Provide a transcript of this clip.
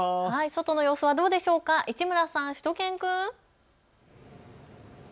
外の様子はどうですか、市村さん、しゅと犬くん。